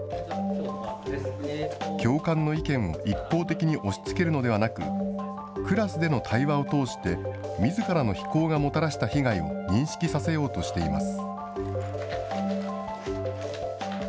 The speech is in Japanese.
教官の意見を一方的に押しつけるのではなく、クラスでの対話を通して、みずからの非行がもたらした被害を認識させようとしています。